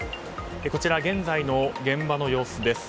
こちら、現在の現場の様子です。